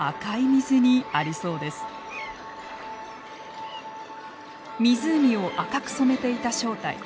湖を赤く染めていた正体。